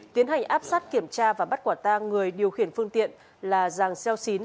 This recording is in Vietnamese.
tiến hành áp sát kiểm tra và bắt quả tàng người điều khiển phương tiện là ràng xeo xín